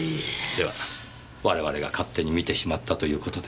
では我々が勝手に見てしまったという事で。